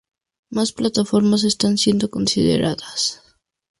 Más plataformas están siendo consideradas.